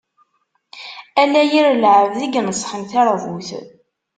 Ala yir lɛebd i yeneṣḥen taṛbut.